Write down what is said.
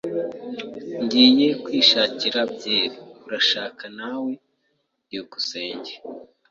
Ngiye kwishakira byeri. Urashaka nawe? byukusenge